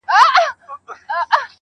د پریان لوري، د هرات او ګندارا لوري~